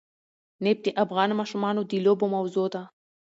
نفت د افغان ماشومانو د لوبو موضوع ده.